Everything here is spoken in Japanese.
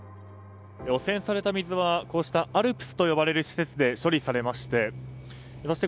汚染された水はこうしたＡＬＰＳと呼ばれる施設で処理されましてそして